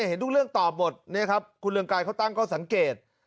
เห็นทุกเรื่องตอบหมดนะครับคุณเรืองไกรเขาตั้งข้อสังเกต